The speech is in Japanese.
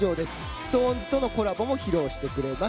ＳｉｘＴＯＮＥＳとのコラボも披露してくれます。